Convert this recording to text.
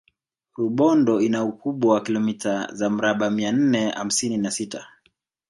Rubondo ina ukubwa wa kilomita za mraba mia nne hamsini na sita